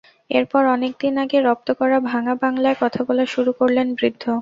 এরপর অনেক দিন আগে রপ্ত করা ভাঙা বাংলায় কথা বলা শুরু করলেন বৃদ্ধ।